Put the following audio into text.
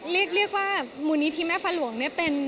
เรียกว่ามูลนิธิแม่ฟ้าหลวงเนี่ยเป็น